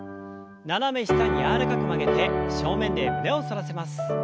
斜め下に柔らかく曲げて正面で胸を反らせます。